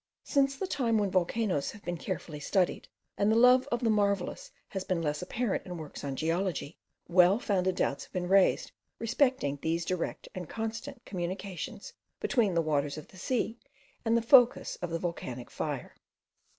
Since the time when volcanoes have been carefully studied, and the love of the marvellous has been less apparent in works on geology, well founded doubts have been raised respecting these direct and constant communications between the waters of the sea and the focus of the volcanic fire.